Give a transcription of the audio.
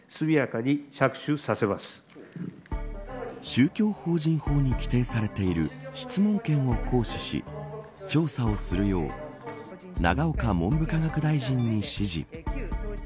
宗教法人法に規定されている質問権を行使し調査をするよう永岡文部科学大臣に指示。